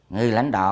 người lãnh đạo